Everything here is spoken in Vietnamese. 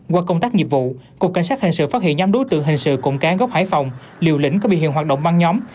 qua công tác nghiệp vụ cục cảnh sát hình sự phát hiện nhóm đối tượng hình sự cụm cán gốc hải phòng liều lĩnh có biểu hiện hoạt động băng nhóm